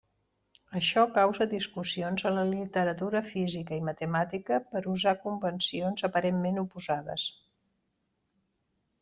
Això causa discussions en la literatura física i matemàtica per usar convencions aparentment oposades.